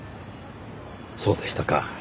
そうでしたか。